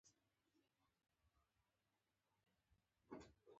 زه خپله ولسمشر يم